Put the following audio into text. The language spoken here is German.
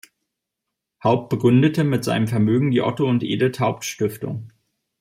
Haupt begründete mit seinem Vermögen die Otto- und Edith-Haupt-Stiftung.